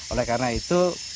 oleh karena itu